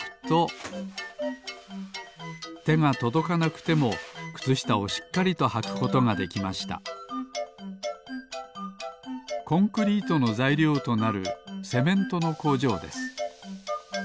とどかなくてもくつしたをしっかりとはくことができましたコンクリートのざいりょうとなるセメントの工場です。